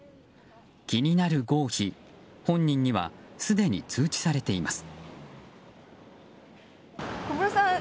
気になる合否、本人にはすでに通知されています。